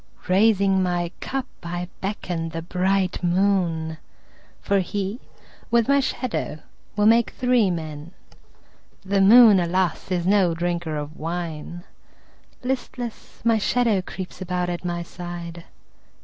Raising my cup I beckon the bright moon, For he, with my shadow, will make three men. The moon, alas, is no drinker of wine; Listless, my shadow creeps about at my side.